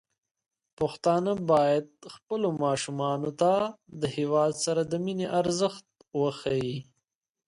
پښتانه بايد خپل ماشومان ته د هيواد سره د مينې ارزښت وښيي.